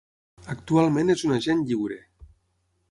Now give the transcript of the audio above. Actualment és un agent lliure.